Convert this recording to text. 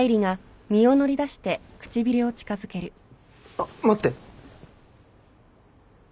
あっ待って！